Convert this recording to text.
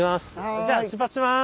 じゃあ出発します。